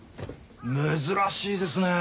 珍しいですね。